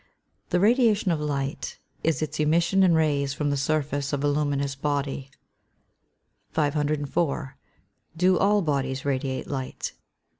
_ The radiation of light is its emission in rays from the surface of a luminous body. 504. _Do all bodies radiate light?